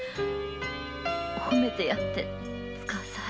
褒めてやってつかあさい。